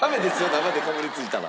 生でかぶりついたら。